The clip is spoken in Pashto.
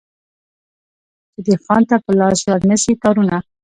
چي دهقان ته په لاس ورنه سي تارونه